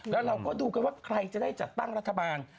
แล้วเราก็ดูกันว่าใครจะได้จัดตั้งรัฐบาล